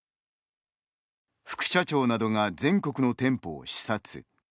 副社長などが全国の店舗を視察。